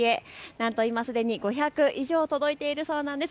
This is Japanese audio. なんと今すでに５００以上届いているそうなんです。